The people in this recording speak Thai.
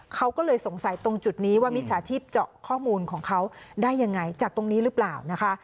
เขาก็เลยสงสัยตรงจุดนี้ว่ามิจฉาชีพเจาะข้อมูลของเขาได้ยังไงจากตรงนี้หรือเปล่านะคะ